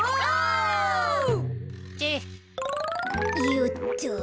よっと。